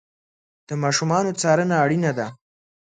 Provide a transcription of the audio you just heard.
د ماشومانو څارنه اړینه ده.